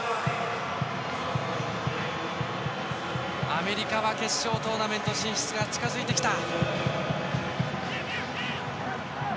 アメリカは決勝トーナメント進出が近づいてきた。